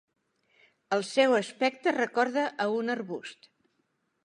El seu aspecte recorda a un arbust.